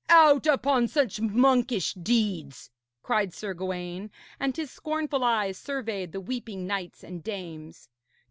'Out upon such monkish deeds!' cried Sir Gawaine, and his scornful eyes surveyed the weeping knights and dames.